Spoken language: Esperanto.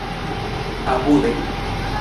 apude